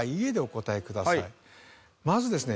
まずですね